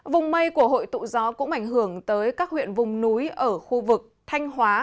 vùng mây của hội tụ gió cũng ảnh hưởng tới các huyện vùng núi ở khu vực thanh hóa